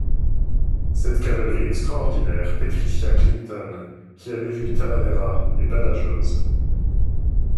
Cette cavalerie extraordinaire pétrifia Clinton qui avait vu Talavera et Badajoz.